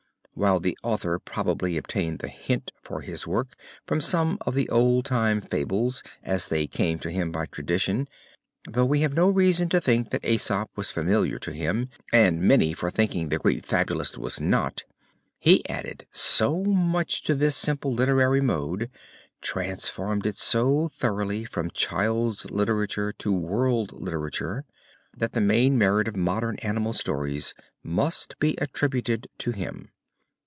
While the author probably obtained the hint for his work from some of the old time fables as they came to him by tradition, though we have no reason to think that AEsop was familiar to him and many for thinking the Greek fabulist was not, he added so much to this simple literary mode, transformed it so thoroughly from child's literature to world literature, that the main merit of modern animal stories must be attributed to him.